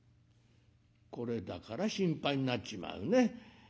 「これだから心配になっちまうね。